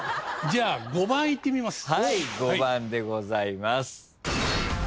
じゃあ５番いってみます。